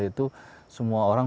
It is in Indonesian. itu semua orang